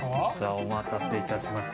お待たせしました。